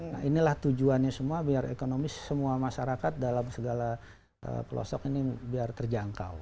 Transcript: nah inilah tujuannya semua biar ekonomis semua masyarakat dalam segala pelosok ini biar terjangkau